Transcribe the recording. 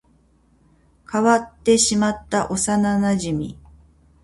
変わってしまった幼馴染